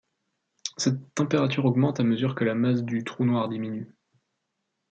Cette température augmente à mesure que la masse du trou noir diminue.